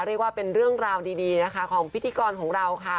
เรียกว่าเป็นเรื่องราวดีนะคะของพิธีกรของเราค่ะ